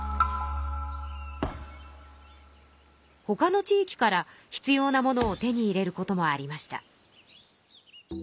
ほかの地域から必要なものを手に入れることもありました。